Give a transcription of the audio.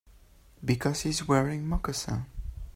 Because he's wearing moccasins.